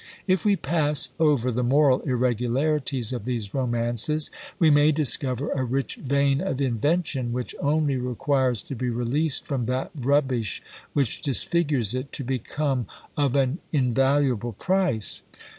If we pass over the moral irregularities of these romances, we may discover a rich vein of invention, which only requires to be released from that rubbish which disfigures it, to become of an invaluable price.